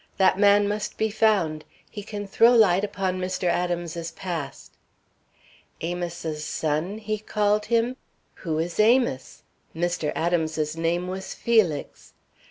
That man must be found. He can throw light upon Mr. Adams's past. 'Amos's son,' he called him? Who is Amos? Mr. Adams's name was Felix.